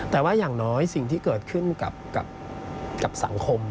แต่ว่าอย่างน้อยสิ่งที่เกิดขึ้นกับสังคม